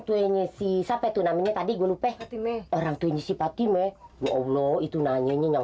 tuanya si siapa itu namanya tadi gua lupa orangtuanya si patime itu nanya nya yang